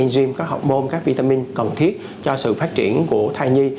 nên các enzyme các hormone các vitamin cần thiết cho sự phát triển của thai nhi